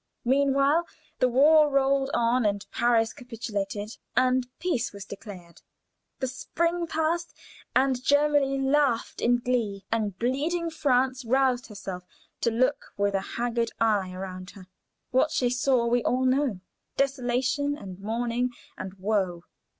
Meanwhile the war rolled on, and Paris capitulated, and peace was declared. The spring passed and Germany laughed in glee, and bleeding France roused herself to look with a haggard eye around her; what she saw, we all know desolation, and mourning, and woe.